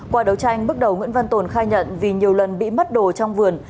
qua đấu tranh bước đầu nguyễn văn tồn khai nhận vì nhiều lần bị mất đồ trong vườn